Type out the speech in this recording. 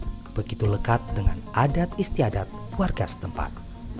masjid jamia talwa begitu lekat dengan adat istiadat warga setempat